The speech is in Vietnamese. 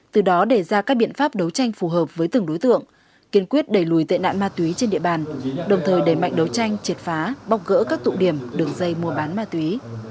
từ đó đề ra các biện pháp đấu tranh phù hợp với từng đối tượng kiên quyết đẩy lùi tệ nạn ma túy trên địa bàn đồng thời đẩy mạnh đấu tranh triệt phá bọc gỡ các tụ điểm đường dây mua bán ma túy